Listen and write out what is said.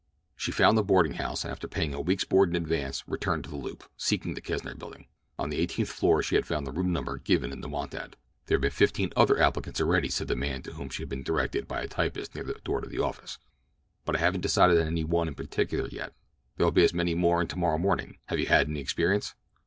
She found the boarding house, and after paying a week's board in advance returned to the Loop, seeking the Kesner Building. On the eighteenth floor she found the room number given in the want ad. "There have been fifteen other applicants already," said the man to whom she had been directed by a typist near the door of the office; "but I haven't decided on any one in particular yet—there'll be as many more in tomorrow morning. Have you had any experience?"